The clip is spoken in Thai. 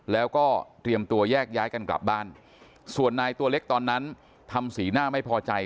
แล้วก็เตรียมตัวแยกย้ายกันกลับบ้านส่วนนายตัวเล็กตอนนั้นทำสีหน้าไม่พอใจ